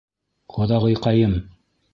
Ҡоҙағыйҡайым!..